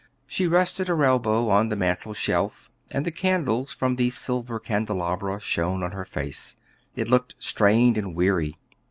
She rested her elbow on the mantel shelf, and the candles from the silver candelabra shone on her face; it looked strained and weary.